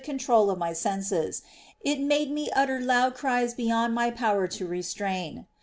401 control of my senses, it made me utter loud cries beyond my power to restrain.